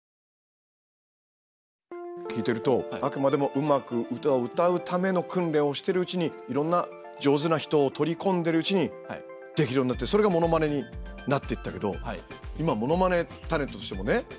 聞いてるとあくまでもうまく歌を歌うための訓練をしてるうちにいろんな上手な人を取り込んでるうちにできるようになってそれがモノマネになっていったけど今モノマネタレントとしてもねたくさん活躍してる。